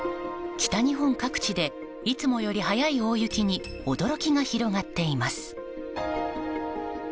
北日本各地でいつもより早い大雪に驚きが広がっています。